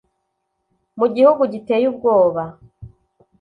Mu gihugu giteye ubwoba,